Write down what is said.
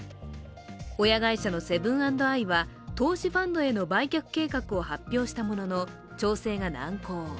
親会社のセブン＆アイ投資ファンドへの売却計画を発表したものの調整が難航。